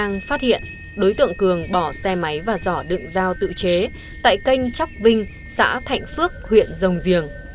công an tỉnh đang phát hiện đối tượng cường bỏ xe máy và dỏ đựng dao tự chế tại canh chóc vinh xã thạnh phước huyện rồng giềng